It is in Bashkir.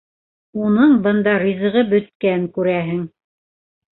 Уның бында ризығы бөткән, күрәһең...